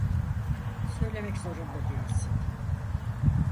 Söylemek zorunda değilsin.